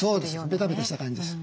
ベタベタした感じです。